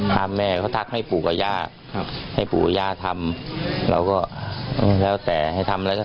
คือไม่รู้ว่าผมมาตามแม่เฉย